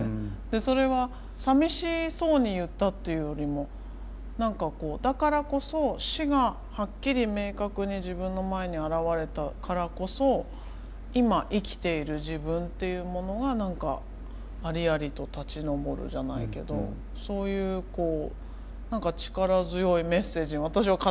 それはさみしそうに言ったっていうよりも何かこうだからこそ死がはっきり明確に自分の前に現れたからこそ今生きている自分というものが何かありありと立ち上るじゃないけどそういうこう何か力強いメッセージに私は勝手に受け取って。